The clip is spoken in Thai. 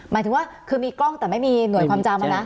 หมายถึงว่าคือมีกล้องแต่ไม่มีหน่วยความจำนะ